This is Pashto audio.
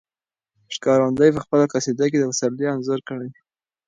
ښکارندوی په خپله قصیده کې د پسرلي انځور کړی دی.